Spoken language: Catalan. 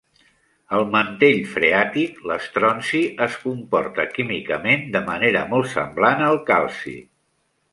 Al mantell freàtic, l'estronci es comporta químicament de manera molt semblant al calci.